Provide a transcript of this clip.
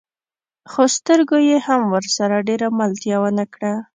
خو سترګو يې هم ورسره ډېره ملتيا ونه کړه.